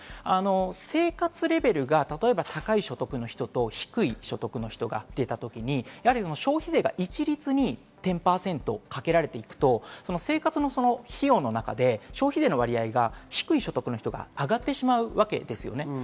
生活レベルが高い所得の人と低い所得の人が出た時に消費税が一律に１０％かけられていくと生活の費用の中で消費税の割合が低い所得の人が上がってしまいます。